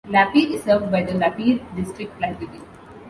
Lapeer is served by the Lapeer District Library.